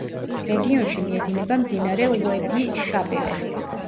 რეგიონში მიედინება მდინარე უები-შაბელე.